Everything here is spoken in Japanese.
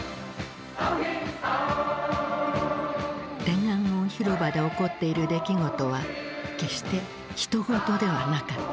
天安門広場で起こっている出来事は決してひと事ではなかった。